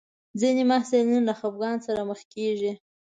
ځینې محصلین له خپګان سره مخ کېږي.